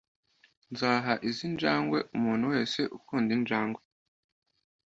Nzaha izi njangwe umuntu wese ukunda injangwe .